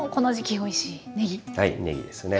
はいねぎですね。